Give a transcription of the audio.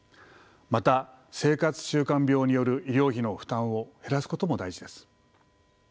また生活習慣病による医療費の負担を減らすことも大事です。